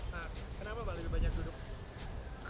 nah kenapa mbak lebih banyak duduk